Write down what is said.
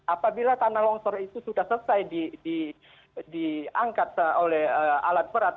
apabila tanah longsor itu sudah selesai diangkat oleh alat berat